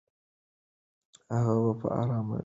هغه به په آرامه ژوند وکړي.